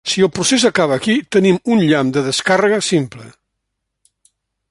Si el procés acaba aquí, tenim un llamp de descàrrega simple.